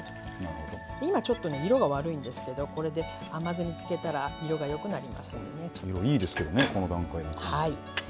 今、ちょっと色が悪いんですけどこれで甘酢に漬けたら色がよくなりますんで。